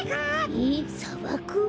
えっさばく？